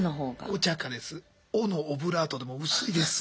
「お」のオブラートでも薄いです。